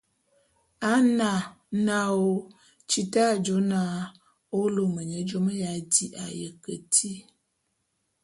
A na, naôô ! Tita a jô na ô lôme nye jôme ya di a ye keti.